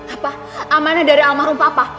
apa amanah dari almarhum papa